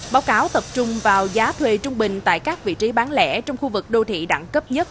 báo cáo tập trung vào giá thuê trung bình tại các vị trí bán lẻ trong khu vực đô thị đẳng cấp nhất